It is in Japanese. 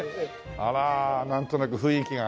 あらなんとなく雰囲気が。